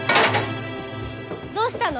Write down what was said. どうしたの？